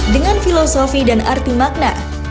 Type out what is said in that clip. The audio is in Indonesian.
dengan filosofi dan arti makna